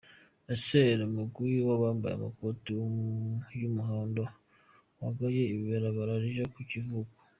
i Calais, umugwi 'wabambaye amakoti y'umuhondo' wugaye ibarabara rija ku kivuko.